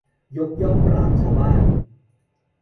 ยกย่องปราชญ์ชาวบ้าน